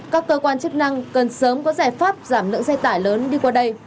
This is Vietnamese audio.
các cơ quan chức năng cần sớm có giải pháp giảm lượng xe tải lớn đi qua đây